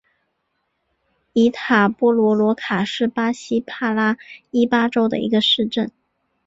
伊塔波罗罗卡是巴西帕拉伊巴州的一个市镇。